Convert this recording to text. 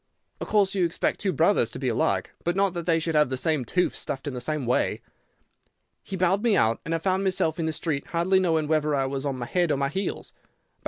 Of course you expect two brothers to be alike, but not that they should have the same tooth stuffed in the same way. He bowed me out, and I found myself in the street, hardly knowing whether I was on my head or my heels.